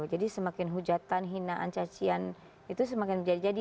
jadi semakin hujatan hinaan cacian itu semakin menjadi jadi